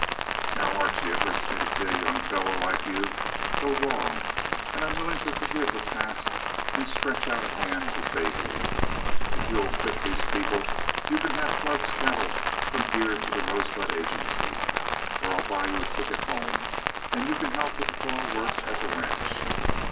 Now, Archie, it hurts me to see a young fellow like you go wrong, and I'm willing to forgive the past and stretch out a hand to save you. If you'll quit those people, you can have Flood's cattle from here to the Rosebud Agency, or I'll buy you a ticket home and you can help with the fall work at the ranch.